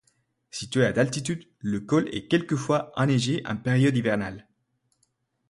Situé à d'altitude, le col est quelquefois enneigé en période hivernale.